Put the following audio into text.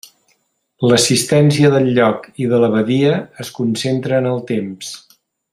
L'assistència del lloc i de l'abadia es concentra en el temps.